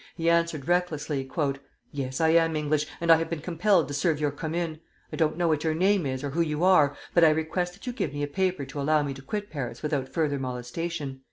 He answered recklessly: "Yes, I am English, and I have been compelled to serve your Commune. I don't know what your name is, or who you are, but I request that you give me a paper to allow me to quit Paris without further molestation."